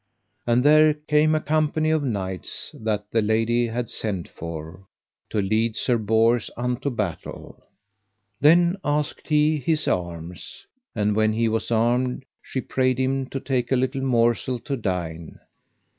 And there came a company of knights, that the lady had sent for, to lead Sir Bors unto battle. Then asked he his arms. And when he was armed she prayed him to take a little morsel to dine.